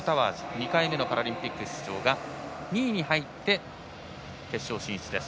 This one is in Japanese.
２回目のパラリンピック出場が２位に入って決勝進出です。